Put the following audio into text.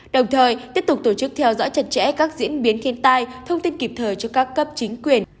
đồng thời tiếp tục tổ chức theo dõi chặt chẽ các diễn biến thiên tai thông tin kịp thời cho các cấp chính quyền